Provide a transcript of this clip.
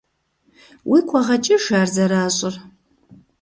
Уигу къэгъэкӀыж ар зэращӀыр.